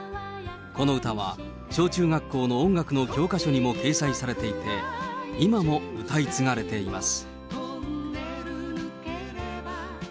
この歌は、小中学校の音楽の教科書にも掲載されていて、今も歌い継がれています。